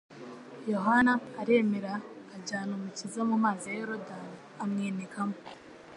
Yohana aremera ajyana Umukiza mu mazi ya Yorodani amwinikamo.